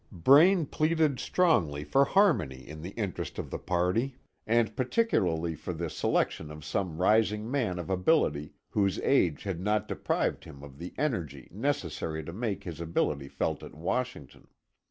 Braine pleaded strongly for harmony in the interest of the party, and particularly for the selection of some rising man of ability, whose age had not deprived him of the energy necessary to make his ability felt at Washington.